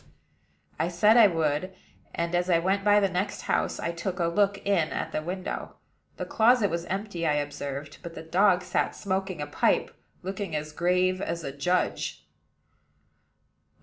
I said I would; and, as I went by the next house, I took a look in at the window. The closet was empty, I observed; but the dog sat smoking a pipe, looking as grave as a judge.